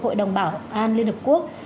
hội đồng bảo an liên hợp quốc